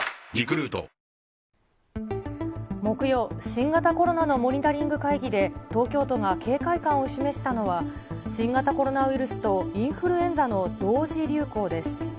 新型コロナのモニタリング会議で東京都が警戒感を示したのは、新型コロナウイルスとインフルエンザの同時流行です。